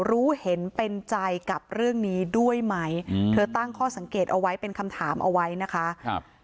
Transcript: รู้เห็นเป็นใจกับเรื่องนี้ด้วยไหมเธอตั้งข้อสังเกตเอาไว้เป็นคำถามเอาไว้นะคะครับ